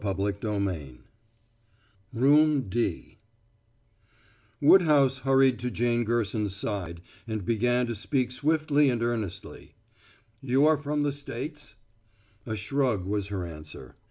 CHAPTER IX ROOM D Woodhouse hurried to Jane Gerson's side and began to speak swiftly and earnestly: "You are from the States?" A shrug was her answer.